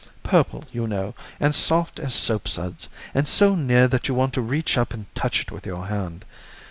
Purple, you know, and soft as soap suds, and so near that you want to reach up and touch it with your hand.